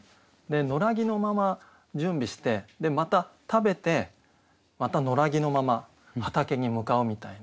野良着のまま準備してでまた食べてまた野良着のまま畑に向かうみたいな